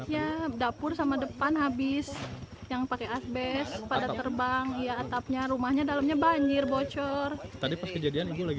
dapur sama depan habis yang pakai asbest pada terbang